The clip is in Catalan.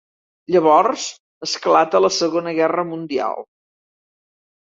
Llavors esclata la Segona Guerra Mundial.